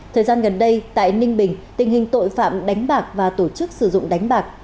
thời gian gần đây tại ninh bình tình hình tội phạm đánh bạc và tổ chức sử dụng đánh bạc